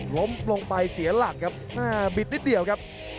ล้มลงไปเสียหลักครับบิดนิดเดียวครับ